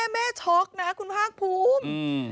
แม่ช็อกนะคุณภาคภูมิ